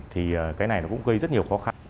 thì cái này nó cũng gây rất nhiều khó khăn